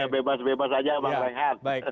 bebas bebas aja bang ferry